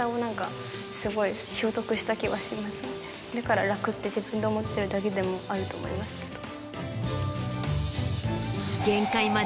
だから楽って自分で思ってるだけでもあると思いますけど。